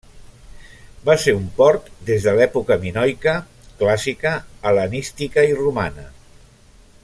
Va ser un port des de l'època minoica, clàssica, hel·lenística i romana.